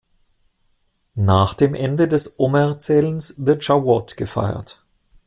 Nach dem Ende des Omer-Zählens wird Schawuot gefeiert.